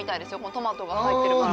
トマトが入ってるから。